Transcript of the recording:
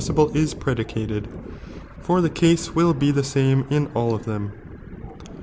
and poaeible is predicated, for the case will be the '""^'■■»^ same in all of them.